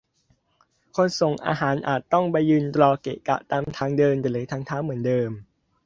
คนส่งอาหารอาจต้องไปยืนรอเกะกะตามทางเดินหรือทางเท้าเหมือนเดิม